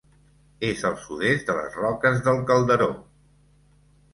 És al sud-est de les Roques del Calderó.